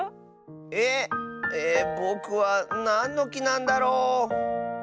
えっ？えぼくはなんのきなんだろう。